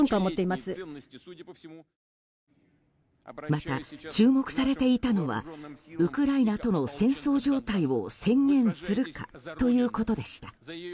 また、注目されていたのはウクライナとの戦争状態を宣言するかということでした。